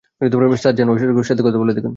Sir, যান, ওর সাথে কথা বলে দেখুন।